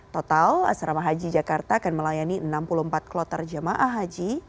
total asrama haji jakarta akan melayani enam puluh empat kloter jemaah haji